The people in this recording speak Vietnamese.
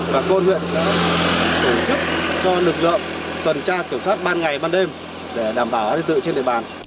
và công an huyện đã tổ chức cho lực lượng tuần tra kiểm soát ban ngày ban đêm để đảm bảo an ninh tự trên địa bàn